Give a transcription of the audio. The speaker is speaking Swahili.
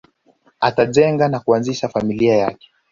Atajenga na kuanzisha familia yake